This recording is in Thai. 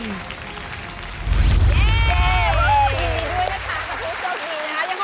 ยินดีด้วยนะคะคุณผู้โชคดีนะคะ